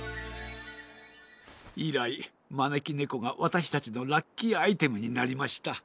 いらいまねきねこがわたしたちのラッキーアイテムになりました。